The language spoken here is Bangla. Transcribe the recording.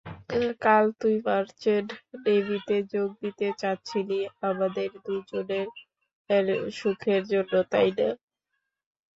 কাল তুই মার্চেন্ট নেভিতে যোগ দিতে চাচ্ছিলি আমাদের দুজনের সুখের জন্য, তাইনা?